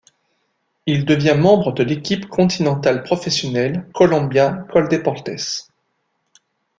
Il devient membre de l'équipe continentale professionnelle Colombia - Coldeportes.